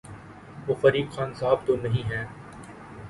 وہ فریق خان صاحب تو نہیں ہیں۔